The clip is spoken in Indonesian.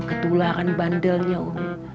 ketularan bandelnya umi